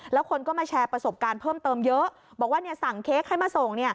แล้วคนก็มาแชร์ประสบการณ์เพิ่มเติมเยอะบอกว่าสั่งเค้กให้มาส่ง